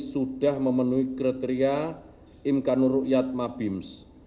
sudah memenuhi kriteria imkanur rukyat mabims